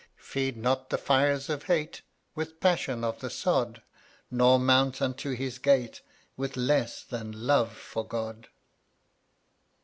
Feed not the fires of hate With passion of the sod, Nor mount unto His gate With less than love for God.